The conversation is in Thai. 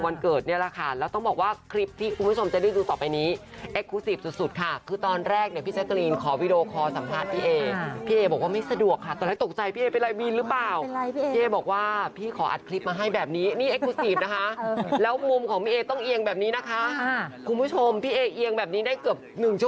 เพราะกล้องเพลินฉันไม่ใช้หรอกฉันใช้กล้องตัวเองค่ะ